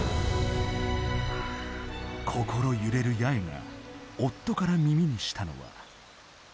心揺れる八重が夫から耳にしたのは。